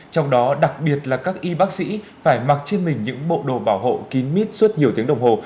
trong đó đặc biệt là các y bác sĩ phải mặc trên mình những bộ đồ bảo hộ kín mít suốt nhiều tiếng đồng hồ